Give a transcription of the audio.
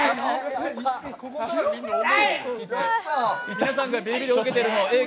皆さんがビリビリを受けてるのＡぇ！